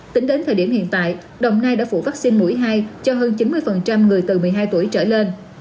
tính đến thời điểm hiện tại đồng nai đã phụ vaccine mũi hai cho hơn chín mươi người từ một mươi hai tuổi trở lên